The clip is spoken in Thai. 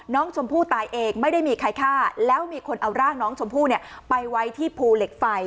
น้องชมพู่ตายเองไม่ได้มีใครฆ่าแล้วมีคนเอาร่างน้องชมพู่เนี่ยไปไว้ที่ภูเหล็กไฟ